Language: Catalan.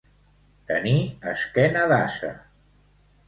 Tenir esquena d'ase.